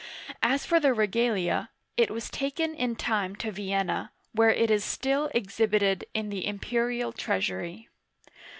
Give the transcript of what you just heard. As for the regalia, it was taken • in time to Vien'na, where it is still exhibited in the imperial treasury.